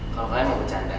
kalau kalian mau bercanda